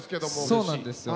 そうなんです。